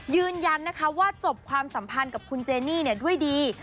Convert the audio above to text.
ยืนยันนะคะว่าจบความสัมพันธ์กับคุณเจนี่ด้วยดี